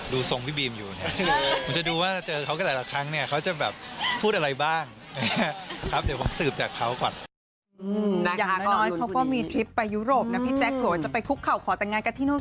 ดูทรงพี่บีมอยู่จะดูว่าเจอเขากันแต่ละครั้งเนี่ยเขาจะแบบพูดอะไรบ้างครับเดี๋ยวผมสืบจากเขาก่อน